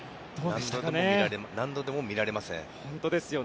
何度でも見られますね。